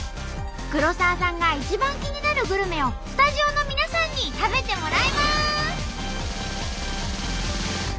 黒沢さんが一番気になるグルメをスタジオの皆さんに食べてもらいます！